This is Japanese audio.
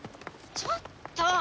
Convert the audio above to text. ちょっと！